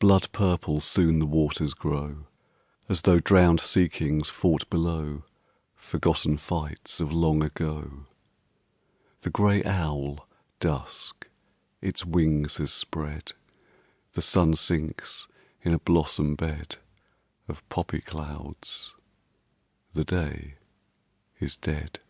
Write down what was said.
Blood purple soon the waters grow, As though drowned sea kings fought below Forgotten fights of long ago. The gray owl Dusk its wings has spread ; The sun sinks in a blossom bed Of poppy clouds ; the day is dead.